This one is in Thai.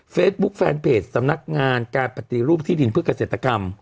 เฟซบุ๊กแฟนเพจสำนักงานการปฏิรูปที่ดินเพื่อกเศรษฐกรรม